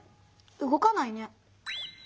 動かないね。